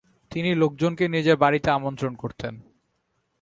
তিনি লোকজনকে নিজের বাড়িতে আমন্ত্রণ করতেন।